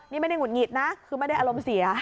นี่ไม่ได้หุดหงิดนะคือไม่ได้อารมณ์เสีย